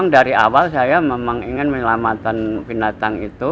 dari awal saya memang ingin menyelamatkan binatang itu